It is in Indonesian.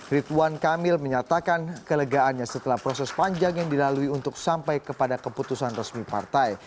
ridwan kamil menyatakan kelegaannya setelah proses panjang yang dilalui untuk sampai kepada keputusan resmi partai